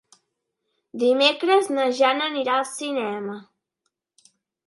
Dimecres na Jana anirà al cinema.